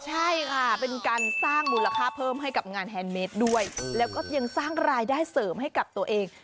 ใช่ค่ะเป็นการสร้างมูลค่าเพิ่มให้กับงานแฮนดเมดด้วยแล้วก็ยังสร้างรายได้เสริมให้กับตัวเอง